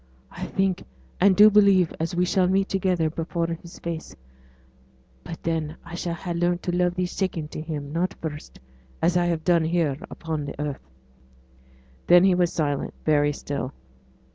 I think and do believe as we shall meet together before His face; but then I shall ha' learnt to love thee second to Him; not first, as I have done here upon the earth.' Then he was silent very still.